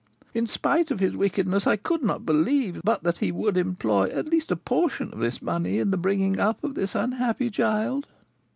In spite of his wickedness, I could not believe but that he would employ, at least, a portion of this money in the bringing up of this unhappy child."